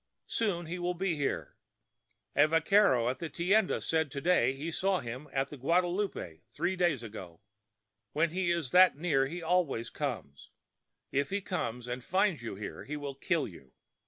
Soon he will be here. A vaquero at the tienda said to day he saw him on the Guadalupe three days ago. When he is that near he always comes. If he comes and finds you here he will kill you.